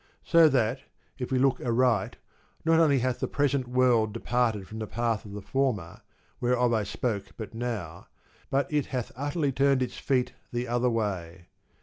So that, if we look aright, not only hath the present world departed from the path of the former, whereof I spoke but now, but it hath utterly turned its feet the other way.